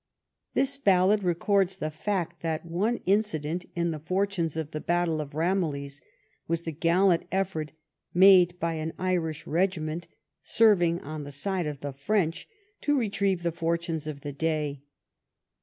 '' This ballad records the fact that one incident in the fortunes of the battle of Ramillies was the gallant effort made by an Irish regiment, serving on the side of the French, to retrieve the fortunes of the day.